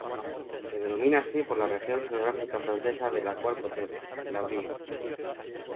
Se denomina así por la región geográfica francesa de la cual procede, la Brie.